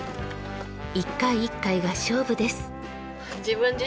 一回一回が勝負です。